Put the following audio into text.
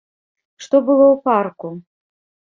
Што было ў парку?